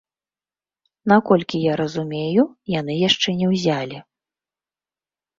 Наколькі я разумею, яны яшчэ не ўзялі.